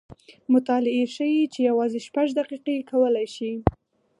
مطالعې ښیې چې یوازې شپږ دقیقې کولی شي